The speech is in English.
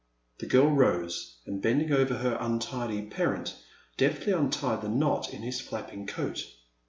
The girl rose, and, bending over her untidy parent, deftly untied the knot in his flapping coat.